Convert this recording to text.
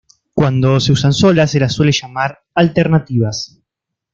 Cuando se usan solas se las suele llamar "alternativas".